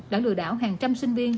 đã lừa đảo hàng trăm sinh viên